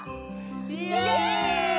イエイ！